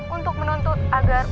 untuk menuntut agar uang